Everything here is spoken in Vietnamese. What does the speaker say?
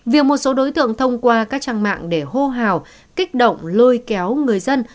việc một số đối tượng thông qua các trang mạng để hô hào kích động lôi kéo người dân